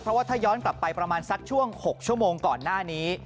เพราะว่าถ้าย้อนกลับไปประมาณสักช่วง๖ชั่วโมงก่อนหน้านี้